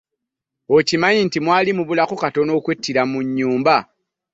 Okimanyi nti mwaali mubulako katono okwettira mu nyumba.